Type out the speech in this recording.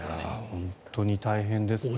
本当に大変ですね。